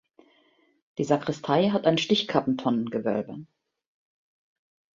Die Sakristei hat ein Stichkappentonnengewölbe.